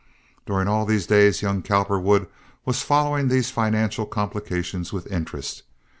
During all these days young Cowperwood was following these financial complications with interest.